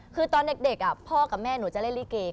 คือตอนเด็กพ่อกับแม่หนูจะเล่นลิเก